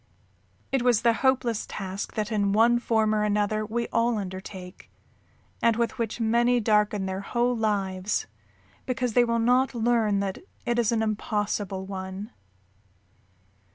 "_] It was the hopeless task that in one form or another we all undertake, and with which many darken their whole lives because they will not learn that it is an impossible one.